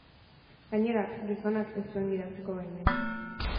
Gainera, gizonak ez zuen gidatzeko baimenik.